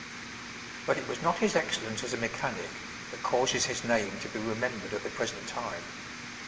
But it was not his excellence as a mechanic that causes his name to be remembered at the present time.